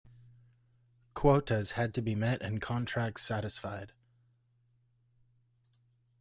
Quotas had to be met and contracts satisfied.